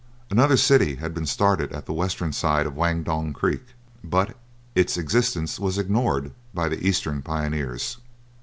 Another city had been started at the western side of Wandong Creek, but its existence was ignored by the eastern pioneers.